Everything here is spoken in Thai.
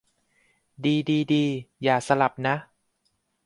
ดีดีดี อย่าสลับ นะ